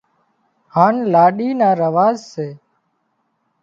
هانَ لاڏِي نا رواز سي